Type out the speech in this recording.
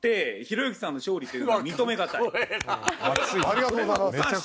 ありがとうございます。